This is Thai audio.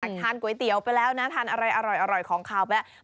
ทานก๋วยเตี๋ยวไปแล้วนะทานอะไรอร่อยของขาวไปแล้ว